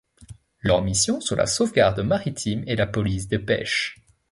Leurs missions sont la sauvegarde maritime et la police des pêches.